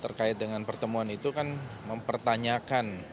terkait dengan pertemuan itu kan mempertanyakan